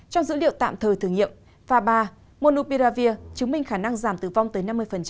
trong dữ liệu tạm thời thử nghiệm pha ba monopiravir chứng minh khả năng giảm tử vong tới năm mươi